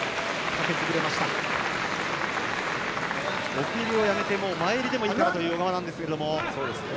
奥襟をやめて前襟でもいいという小川なんですけれども。